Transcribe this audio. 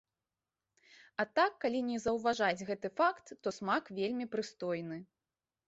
А так, калі не заўважаць гэты факт, то смак вельмі прыстойны.